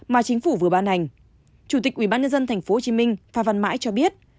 mà chính phủ vừa ban hành chủ tịch ủy ban nhân dân tp hcm phan văn mãi cho biết